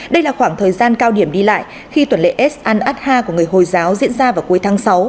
đây là khoảng thời gian cao điểm đi lại khi tuần lễ s an ad ha của người hồi giáo diễn ra vào cuối tháng sáu